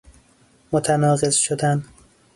متناقص شدن